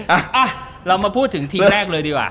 อ่ะเรามาพูดถึงทีมแรกเลยดีกว่า